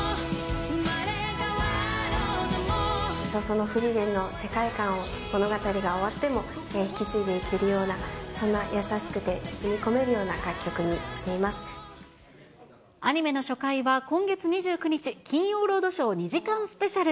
葬送のフリーレンの世界観を、物語が終わっても引き継いでいけるような、そんな優しくて包み込アニメの初回は今月２９日、金曜ロードショー２時間スペシャル。